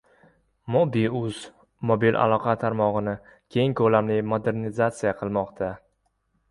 Mobiuz mobil aloqa tarmog‘ini keng ko‘lamli modernizatsiya qilmoqda